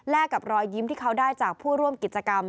และกับรอยยิ้มที่เขาได้จากผู้ร่วมกิจกรรม